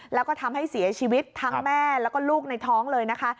แล้วก็ทำให้เสียชีวิตทั้งแม่แล้วก็ลูกในท้องเลยนะคะ